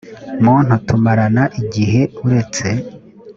muntu tumarana igihe uretse